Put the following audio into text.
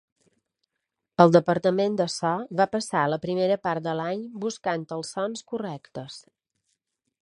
El departament de So va passar la primera part de l'any buscant els sons correctes.